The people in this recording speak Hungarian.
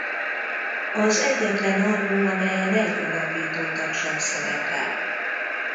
Az egyetlen album amelyen egy alapító tag sem szerepel.